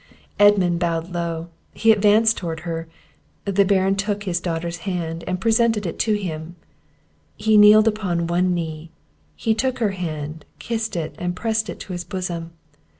Edmund bowed low, he advanced towards her; the Baron took his daughter's hand, and presented it to him; he kneeled upon one knee, he took her hand, kissed it, and pressed it to his bosom.